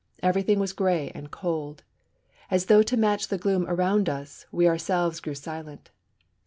Everything was grey and cold. As though to match the gloom around us, we ourselves grew silent.